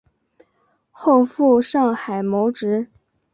后赴上海谋职。